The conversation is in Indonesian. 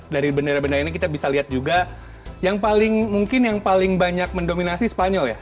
dari bendera bendera ini kita bisa lihat juga yang paling mungkin yang paling banyak mendominasi spanyol ya